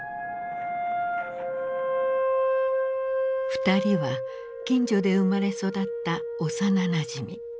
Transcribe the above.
二人は近所で生まれ育った幼なじみ。